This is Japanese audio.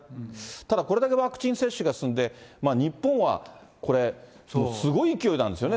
ただこれだけワクチン接種が進んで、日本はこれ、すごい勢いなんですよね。